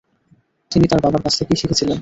তিনি তার বাবার কাছ থেকেই শিখেছিলেন।